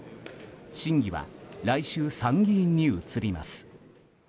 審議は、来週参議院に移ります。